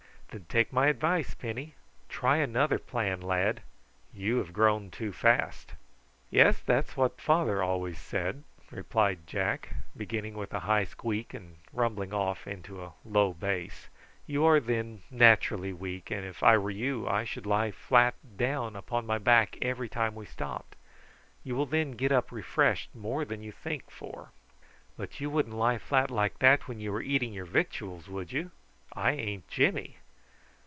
"Then take my advice, Penny; try another plan, my lad. You have grown too fast." "Yes, that's what father always said," replied Jack, beginning with a high squeak and rumbling off into a low bass. "You are then naturally weak, and if I were you I should lie flat down upon my back every time we stopped. You will then get up refreshed more than you think for." "But you wouldn't lie flat like that when you were eating your victuals, would you? I ain't Jimmy."